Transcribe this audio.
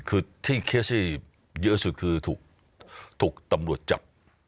คือที่เคสที่เยอะสุดคือถูกตำรวจจับ